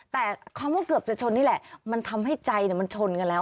แต่คำว่าเกือบจะชนนี่แหละมันทำให้ใจมันชนกันแล้ว